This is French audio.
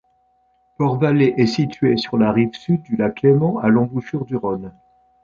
Port-Valais est située sur la rive sud du lac Léman à l'embouchure du Rhône.